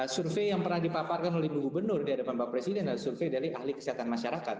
survei yang pernah dipaparkan oleh ibu gubernur di hadapan pak presiden adalah survei dari ahli kesehatan masyarakat